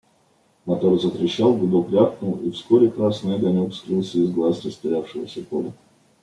Мотор затрещал, гудок рявкнул, и вскоре красный огонек скрылся из глаз растерявшегося Коли.